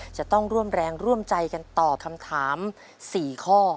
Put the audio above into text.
จะต้องร่วมแรงร่วมใจกันตอบคำถาม๔ข้อ